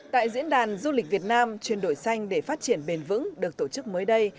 tại diễn đàn du lịch việt nam chuyển đổi xanh để phát triển bền vững được tổ chức mới đây